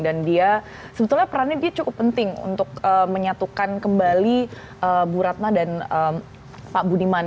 dan dia sebetulnya perannya dia cukup penting untuk menyatukan kembali bu ratna dan pak budiman